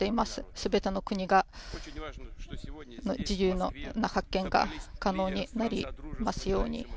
すべての国の自由な発展が可能になりますように。